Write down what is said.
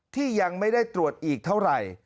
ที่ยังไม่ได้ตรวจอีกเท่าไหร่